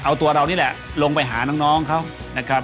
เอาตัวเรานี่แหละลงไปหาน้องเขานะครับ